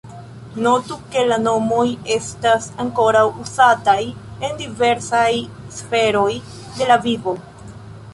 Notu ke la nomoj estas ankoraŭ uzataj en diversaj sferoj de la vivo.